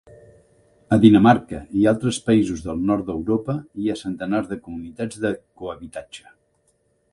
A Dinamarca i altres països del nord d'Europa hi ha centenars de comunitats de cohabitatge.